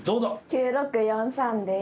９６４３です。